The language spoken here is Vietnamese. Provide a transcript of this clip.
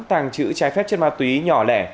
tàng trữ trái phép trên ma túy nhỏ lẻ